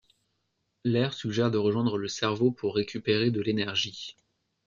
Lair suggère de rejoindre le cerveau pour récupérer de l'énergie.